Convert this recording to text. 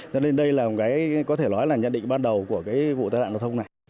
cho nên đây là một cái có thể nói là nhận định ban đầu của cái vụ tai nạn giao thông này